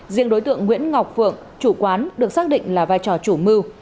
riêng đối tượng nguyễn ngọc phượng chủ quán được xác định là vai trò chủ mưu